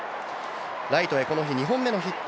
ライトへこの日２本目のヒット。